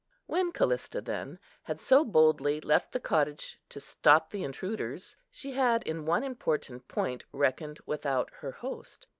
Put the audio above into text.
When Callista, then, had so boldly left the cottage to stop the intruders, she had in one important point reckoned without her host.